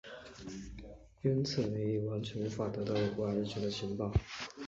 因此李镒完全无法得到有关日军的情报。